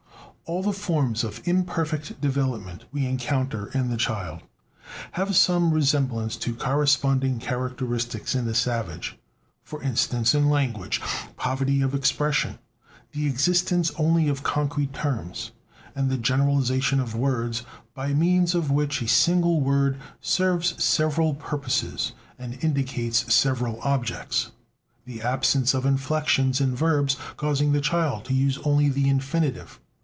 All the forms of imperfect development we encounter in the child have some resemblance to corresponding characteristics in the savage; for instance, in language, poverty of expression, the existence only of concrete terms, and the generalization of words, by means of which a single word serves several purposes and indicates several objects, the absence of inflections in verbs, causing the child to use only the infinitive.